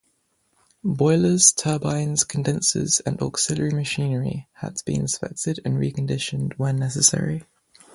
Boilers, turbines, condensers and auxiliary machinery had to be inspected and reconditioned where necessary.